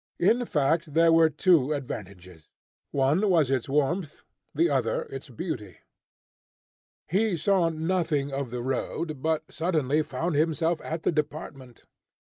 In fact, there were two advantages, one was its warmth, the other its beauty. He saw nothing of the road, but suddenly found himself at the department.